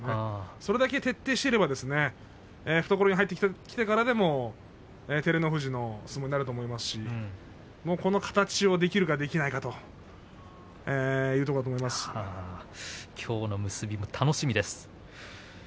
それだけ徹底していれば懐に入ってきてからでも照ノ富士の相撲になると思いますしもうこの形ができるかできないかというきょうの結びも楽しみです。